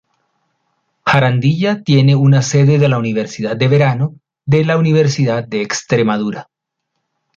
Jarandilla tiene una sede de la Universidad de Verano de la Universidad de Extremadura.